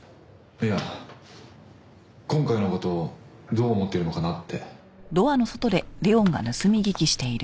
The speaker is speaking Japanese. いや今回の事をどう思ってるのかなって。